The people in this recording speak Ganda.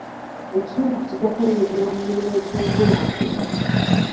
Ekitundu kijja kwenyigira mu mirimu egy'enkulaakulana.